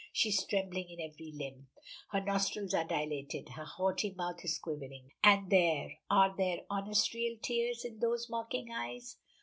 She is trembling in every limb. Her nostrils are dilated. Her haughty mouth is quivering, and there are there honest, real tears in those mocking eyes?